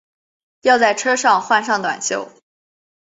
要在车上换上短袖